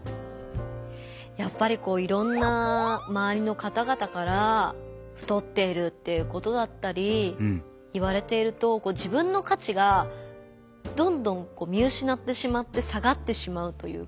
やっぱりこういろんなまわりの方々から太っているっていうことだったり言われていると自分の価値がどんどん見うしなってしまって下がってしまうというか。